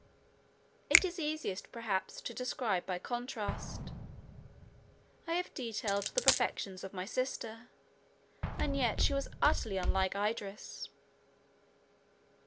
It is easiest perhaps to describe by contrast. I have detailed the perfections of my sister; and yet she was utterly unlike Idris.